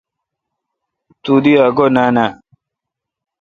تو دی ا گو°نان آہ۔